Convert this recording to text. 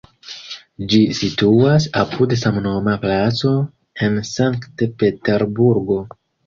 Ĝi situas apud samnoma placo en Sankt-Peterburgo.